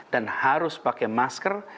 dan harus pakai masker